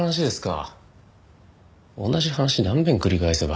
同じ話何遍繰り返せば。